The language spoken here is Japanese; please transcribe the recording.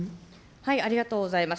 ありがとうございます。